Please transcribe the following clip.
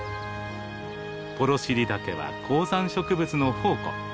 幌尻岳は高山植物の宝庫。